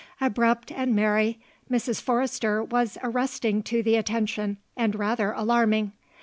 Abrupt and merry, Mrs. Forrester was arresting to the attention and rather alarming.